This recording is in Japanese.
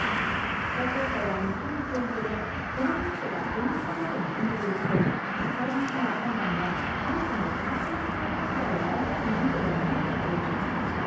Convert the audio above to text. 最高裁は３日の声明で、この文書が本物だと認める一方、裁判所の判断や判事の最終的な立場を表すものではないと強調しました。